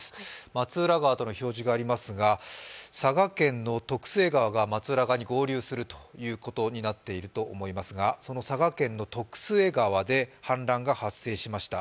松浦川との表示がありますが佐賀県の徳須恵川が松浦川に合流するということになっていると思いますがその佐賀県の徳須恵川で氾濫が発生しました。